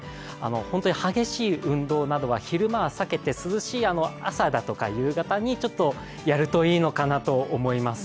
本当に激しい運動などは昼間は避けて涼しい朝だとか夕方にやるといいのかなと思います。